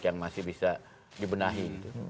yang masih bisa dibenahi